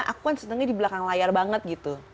aku kan senengnya di belakang layar banget gitu